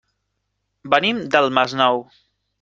Venim del Masnou.